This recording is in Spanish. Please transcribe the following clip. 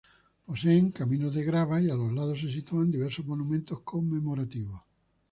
Poseen caminos de grava, y a los lados se sitúan diversos monumentos conmemorativos.